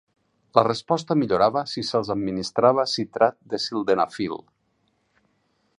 La resposta millorava si se'ls administrava citrat de sildenafil.